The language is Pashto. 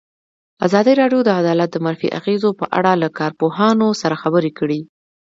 ازادي راډیو د عدالت د منفي اغېزو په اړه له کارپوهانو سره خبرې کړي.